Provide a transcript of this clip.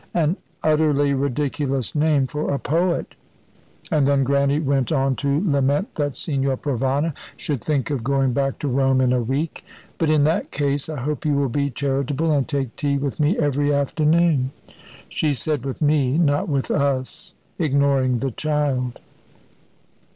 "An utterly ridiculous name for a poet!" And then Grannie went on to lament that Signor Provana should think of going back to Rome in a week. "But in that case I hope you will be charitable, and take tea with me every afternoon." She said "with me," not "with us" ignoring the child.